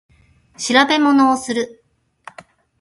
調べ物をする